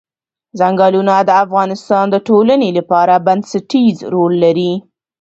ځنګلونه د افغانستان د ټولنې لپاره بنسټيز رول لري.